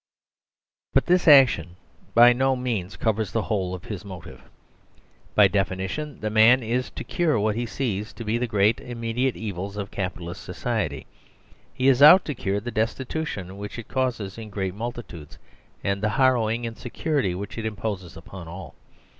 But this action by no means covers the whole of his motive. By definition the man is out to cure what he sees to be the great immediate evils of Capitalist society. He is out to cure the destitution which it causes in great multitudes and the harrowing in security which it imposes upon all.